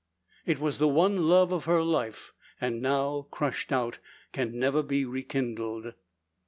It was the one love of her life, and now crushed out, can never be rekindled.